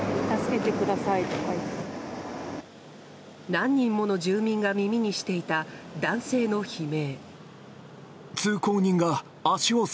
何人もの住民が耳にしていた男性の悲鳴。